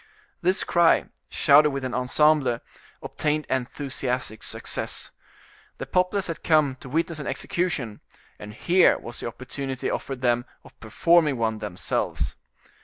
This cry, shouted with an ensemble, obtained enthusiastic success. The populace had come to witness an execution, and here was an opportunity offered them of performing one themselves.